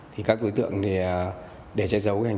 thì các đối tượng để trái giấu hình thức